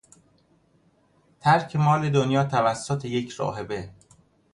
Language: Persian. ترک مال دنیا توسط یک راهبه